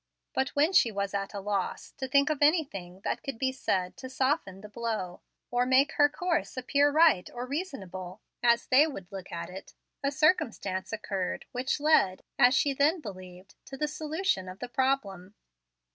But when she was at a loss to think of anything that could be said to soften the blow, or make her course appear right or reasonable, as they would look at it, a circumstance occurred which led, as she then believed, to the solution of the problem.